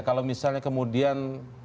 kalau misalnya kemudian